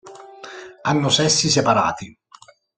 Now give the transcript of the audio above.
Hanno sessi separati.